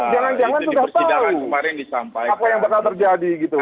jangan jangan sudah tahu apa yang pernah terjadi gitu